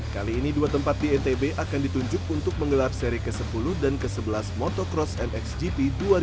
kali ini dua tempat di ntb akan ditunjuk untuk menggelar seri ke sepuluh dan ke sebelas motocross mxgp dua ribu dua puluh